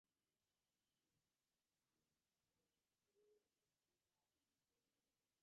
তুমি ক্লাবটা চালাবে আর আমি হব তার মুখ্য আকর্ষণ।